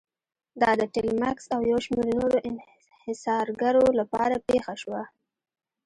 دا د ټیلمکس او یو شمېر نورو انحصارګرو لپاره پېښه شوه.